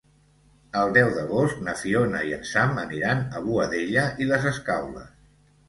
El deu d'agost na Fiona i en Sam aniran a Boadella i les Escaules.